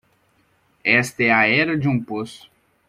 Esta é a era de um poço